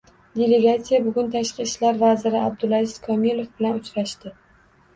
Delegatsiya bugun Tashqi ishlar vaziri Abdulaziz Komilov bilan uchrashdi